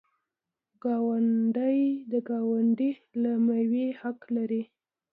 ګاونډی د ګاونډي له میوې حق لري.